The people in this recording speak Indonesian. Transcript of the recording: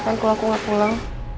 kayaknya kalau aku gak pulang